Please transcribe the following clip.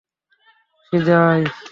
শীজা, আয়।